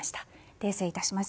訂正いたします。